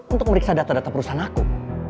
untuk meriksa data data perusahaan aku